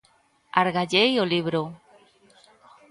Argallei o libro.